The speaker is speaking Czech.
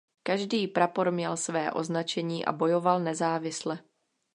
Každý prapor měl své označení a bojoval nezávisle.